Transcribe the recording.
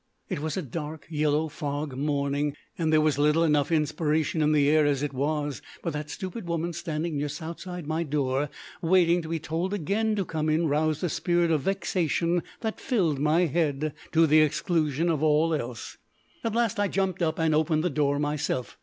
It was a dark, yellow fog morning, and there was little enough inspiration in the air as it was, but that stupid woman standing just outside my door waiting to be told again to come in roused a spirit of vexation that filled my head to the exclusion of all else. At last I jumped up and opened the door myself.